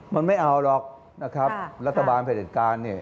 มันไม่เอาหรอกรัฐบาลประเด็นการ